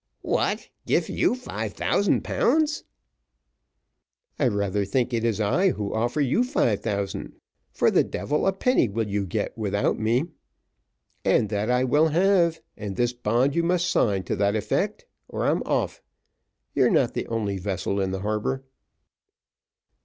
"What, give you five thousand pounds?" "I rather think it is I who offer you five thousand, for the devil a penny will you get without me. And that I will have, and this bond you must sign to that effect, or I'm off. You're not the only vessel in the harbour."